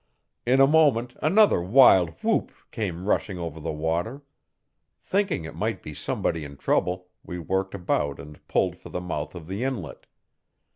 In a moment another wild whoop came rushing over the water. Thinking it might be somebody in trouble we worked about and pulled for the mouth of the inlet.